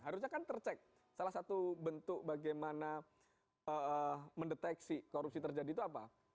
harusnya kan tercek salah satu bentuk bagaimana mendeteksi korupsi terjadi itu apa